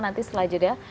nanti setelah jeda